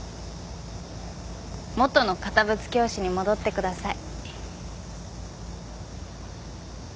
元の堅物教師に戻ってください。